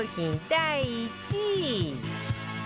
第１位